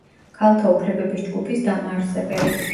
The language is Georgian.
ქალთა უფლებების ჯგუფის დამაარსებელი.